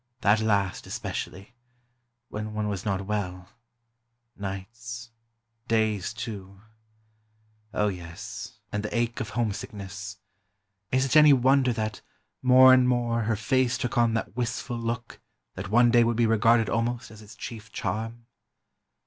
That last, especially—when one was not well ... nights ... days, too ... oh, yes, and the ache of homesickness ... is it any wonder that more and more her face took on that wistful look that one day would be regarded almost as its chief charm?